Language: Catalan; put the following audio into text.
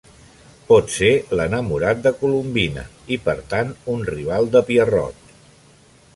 Pot ser l'enamorat de Colombina, i per tant, un rival de Pierrot.